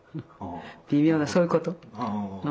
微妙なそういうこと。